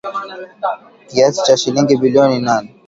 Kiasi cha shilingi bilioni nane.